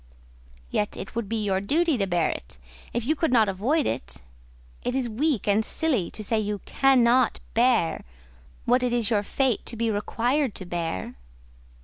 "Yet it would be your duty to bear it, if you could not avoid it: it is weak and silly to say you cannot bear what it is your fate to be required to bear."